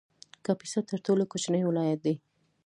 کاپیسا تر ټولو کوچنی ولایت دی